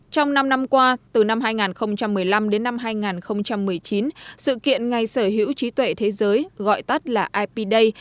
trong năm năm qua từ năm hai nghìn một mươi năm đến năm hai nghìn một mươi chín sự kiện ngày sở hữu trí tuệ thế giới gọi tắt là ip day